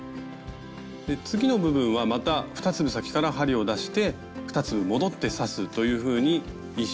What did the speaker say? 次の部分はまた２粒先から針を出して２粒戻って刺すというふうに１周ぐるっと刺していきます。